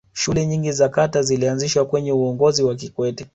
shule nyingi za kata zilianzishwa kwenye uongozi wa kikwete